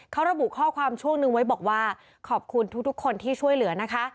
เขาระบุข้อความช่วงนึงไว้บอกว่าขอบคุณทุกคนที่ช่วยเหลือนะคะ